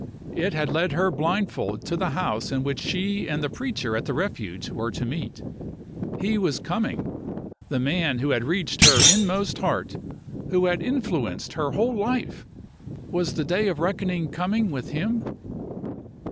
It had led her blindfold to the house in which she and the preacher at the Refuge were to meet. He was coming the man who had reached her inmost heart, who had influenced her whole life! Was the day of reckoning coming with him?)